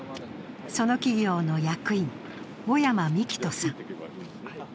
その企業の役員・小山幹人さん。